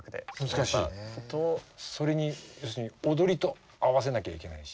それに要するに踊りと合わせなきゃいけないし。